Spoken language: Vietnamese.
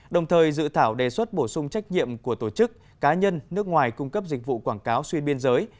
đồng thời dự thảo đề xuất bổ sung trách nhiệm của tổ chức cá nhân nước ngoài cung cấp dịch vụ quảng cáo xuyên biên giới